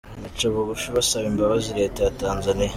bagaca bugufi basaba imbabazi Leta ya Tanzania.